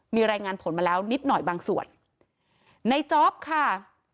มีรายงานผลมาแล้วนิดหน่อยบางส่วนในจ๊อปค่ะ